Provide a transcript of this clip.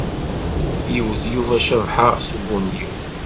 Yewwet Yuba Cabḥa s ubunyiw.